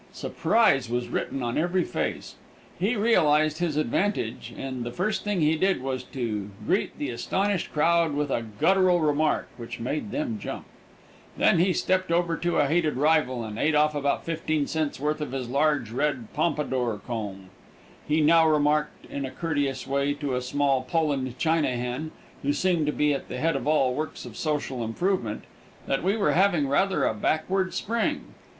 Surprise was written on every face. He realized his advantage, and the first thing he did was to greet the astonished crowd with a gutteral remark, which made them jump. He then stepped over to a hated rival, and ate off about fifteen cents' worth of his large, red, pompadour comb. He now remarked in a courteous way to a small Poland China hen, who seemed to be at the head of all works of social improvement, that we were having rather a backward spring.